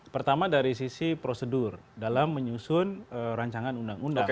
pertama dari sisi prosedur dalam menyusun rancangan undang undang